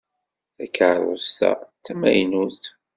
Takeṛṛust-a d tamaynutt.